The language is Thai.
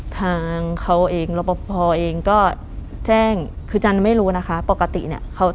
ทางเขาเองรับประพอเองก็แจ้งคือจันไม่รู้นะคะปกติเนี่ย